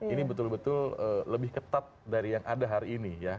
ini betul betul lebih ketat dari yang ada hari ini ya